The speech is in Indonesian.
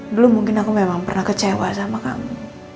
belum mungkin aku memang pernah kecewa sama kamu